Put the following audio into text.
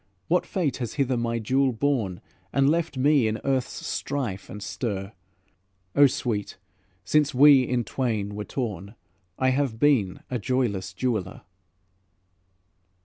What fate has hither my jewel borne, And left me in earth's strife and stir? Oh, sweet, since we in twain were torn, I have been a joyless jeweler."